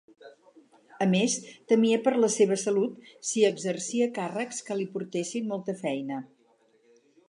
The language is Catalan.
A més temia per la seva salut si exercia càrrecs que li portessin molta feina.